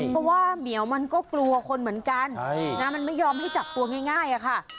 เพราะว่าเหมียวมันก็กลัวคนเหมือนกันมันไม่ยอมให้จับตัวง่ายอะค่ะ